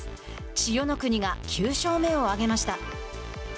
千代の国が９勝目を挙げました。